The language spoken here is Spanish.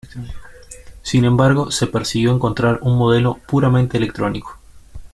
Sin embargo, se persiguió encontrar un modelo puramente electrónico.